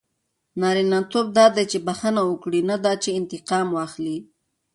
نارینه توب دا دئ، چي بخښنه وکړئ؛ نه دا چي انتقام واخلى.